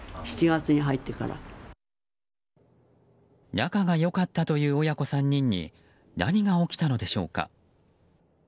仲が良かったという親子３人に何が起きたのでしょうか？